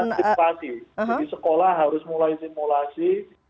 jadi sekolah harus mulai simulasi